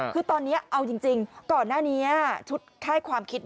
คือตอนนี้เอาจริงก่อนหน้านี้ชุดค่ายความคิด